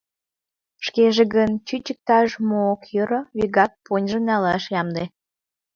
Шкеже гын, чуч иктаж мо ок йӧрӧ — вигак поньыж налаш ямде.